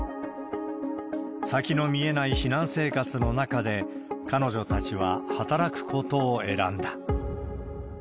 先の見えない避難生活の中で、彼女たちは働くことを選んだ。